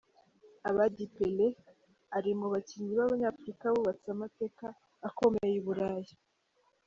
Abedi Pele ari mu bakinnyi b’abanyafurika bubatse amateka akomeye I Burayi.